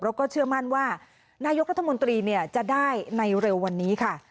แล้วก็เชื่อมั่นว่านายกรัฐมนตรีจะได้ในเร็ววันนี้ค่ะ